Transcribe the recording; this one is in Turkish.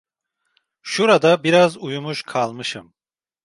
Şurada biraz uyumuş kalmışım.